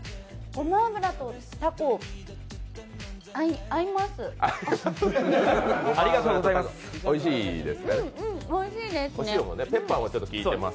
ごま油とたこ、あい合います。